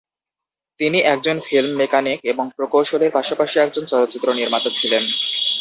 তিনি একজন film mechanic এবং প্রকৌশলীর পাশাপাশি একজন চলচ্চিত্র নির্মাতা ছিলেন।